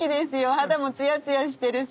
肌もツヤツヤしてるし。